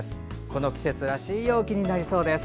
この季節らしい陽気になりそうです。